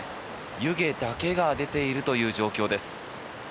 湯気だけが出ているという状況です。